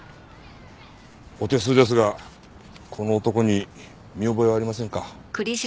お手数ですがこの男に見覚えはありませんか？